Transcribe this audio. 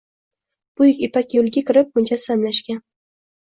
Buyuk Ipak yoʻliga kirib mujassamlashgan.